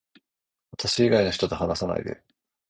私以外の人と話さないで